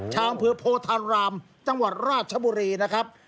ชาวอำเภอโพธารามจังหวัดราชบุรีนะครับ